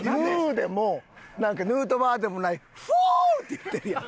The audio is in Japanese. でも「ヌートバー！」でもない「フー！」って言ってるやん。